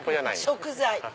食材。